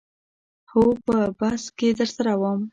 هو په بس کې درسره وم.